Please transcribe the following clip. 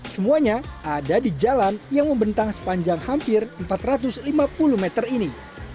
semuanya ada di jalan yang membentang sepanjang hampir empat ratus lima puluh meter ini